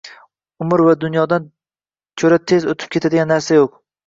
Umr va dunyodan ko‘ra tez o‘tib ketadigan narsa yo’q.